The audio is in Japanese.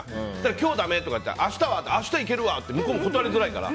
今日だめと言われても明日はと聞くと明日行けるわ！って向こうも断りづらいから。